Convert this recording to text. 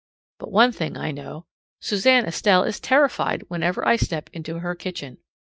But one thing I know Suzanne Estelle is terrified whenever I step into her kitchen.